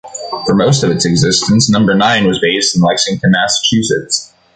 For most of its existence, Number Nine was based in Lexington, Massachusetts.